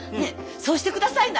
そうしてくださいな！